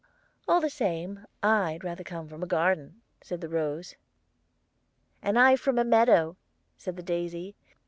"All the same, I'd rather come from a garden," said the rose. "And I from a meadow," said the daisy.